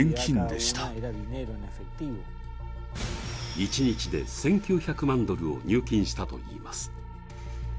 一日で１９００万ドルを入金したといいます。